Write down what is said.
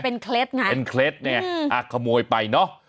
เป็นเคล็ดไงเป็นเคล็ดไงอ่ะขโมยไปเนอะ